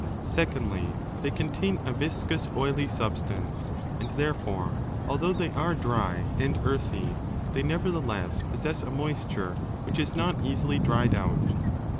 Secondly, they contain a viscous oily substance, and therefore, although they are dry and earthy, they nevertheless possess a moisture which is not easily dried out.